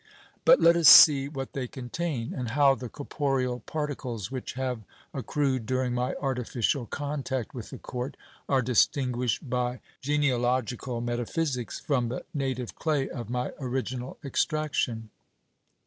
But let us see what they contain ; and how the corporeal particles, which have accrued during my artificial contact with the court, are distinguished by genea logical metaphysics from the native clay of my original extraction.